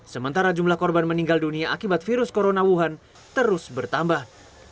sementara jumlah korban meninggal dunia akibat virus corona wuhan terus bertambah